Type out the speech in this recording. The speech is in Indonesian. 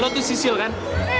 lo tuh sisil kan